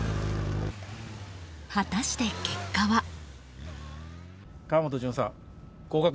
果たして結果は。